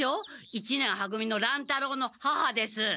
一年は組の乱太郎の母です。